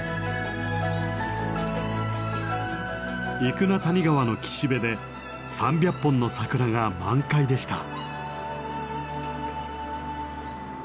生名谷川の岸辺で３００本の桜が満開でした。